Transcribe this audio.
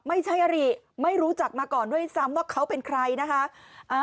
ไม่ใช่อริไม่รู้จักมาก่อนด้วยซ้ำว่าเขาเป็นใครนะคะ